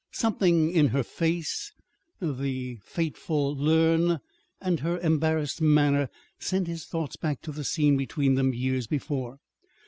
Something in her face, the fateful "learn," and her embarrassed manner, sent his thoughts back to the scene between them years before.